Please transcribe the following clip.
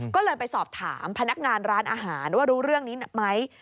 ก็เลยไปสอบถามพนักงานร้านอาหารว่ารู้เรื่องนี้ไหม